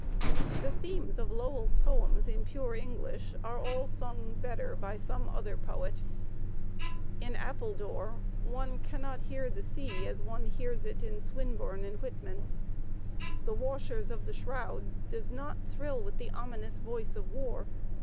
The themes of Lowell's poems in pure English are all sung better by some other Digitized by Google LOWELL 198 poet. In "Appledore," one cannot hear the sea as one hears it in Swinburne and Whitman. "The Wajshers of the Shroud" does not thrill with the ominous voice of War.